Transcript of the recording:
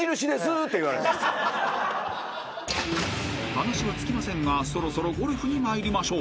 ［話は尽きませんがそろそろゴルフに参りましょう］